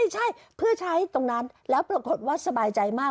ใช่เพื่อใช้ตรงนั้นแล้วปรากฏว่าสบายใจมาก